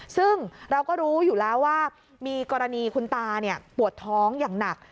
ซึ่งเราก็รู้อยู่แล้วว่ามีกรณีคุณตาปวดท้องอย่างหนัก